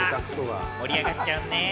盛り上がっちゃうね。